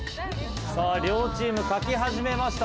さぁ両チーム書き始めました。